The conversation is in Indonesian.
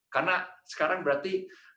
karena sekarang berarti